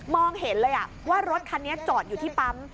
เห็นเลยว่ารถคันนี้จอดอยู่ที่ปั๊ม